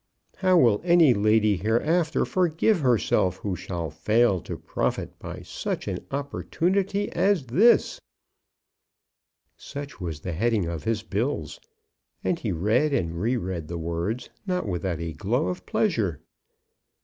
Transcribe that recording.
How will any lady hereafter forgive herself, who shall fail to profit by such an opportunity as this? Such was the heading of his bills, and he read and re read the words, not without a glow of pleasure.